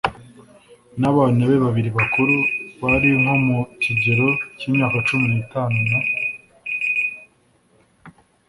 n'abana be babiri bakuru. bari nko mu kigero k'imyaka cumi n'itanu na